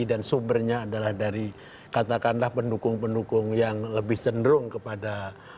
dan sumbernya adalah dari katakanlah pendukung pendukung yang lebih cenderung kepada dua